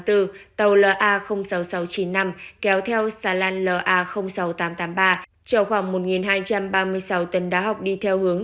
tàu la sáu nghìn sáu trăm chín mươi năm kéo theo xà lan la sáu nghìn tám trăm tám mươi ba chở khoảng một hai trăm ba mươi sáu tấn đá học đi theo hướng